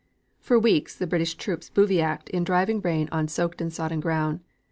For weeks the British troops bivouacked in driving rain on soaked and sodden ground.